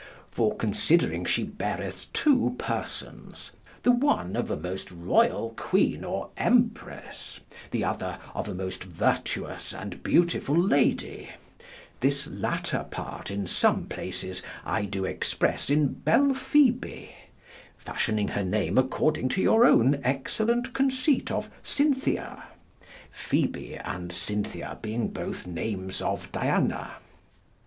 For considering she beareth two persons, the one of a most royall queene or empresse, the other of a most vertuous and beautifull lady, this latter part in some places I doe expresse in Belphoebe, fashioning her name according to your owne excellent conceipt of Cynthia, (Phæbe and Cynthia being both names of Diana.)